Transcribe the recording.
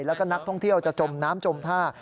แล้วก็นักท่องเที่ยวจะจมน้ำจมท่า